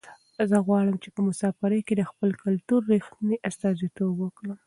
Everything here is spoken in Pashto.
زه غواړم چې په مسافرۍ کې د خپل کلتور رښتنې استازیتوب وکړم.